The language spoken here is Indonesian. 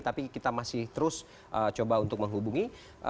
tapi kita masih terus coba untuk menghubungi